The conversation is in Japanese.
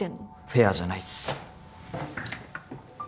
フェアじゃないっす。